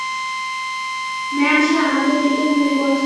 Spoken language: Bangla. ম্যাম, সে আমাদের দিকে গুলি করছে।